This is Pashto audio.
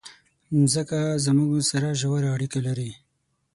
مځکه زموږ سره ژوره اړیکه لري.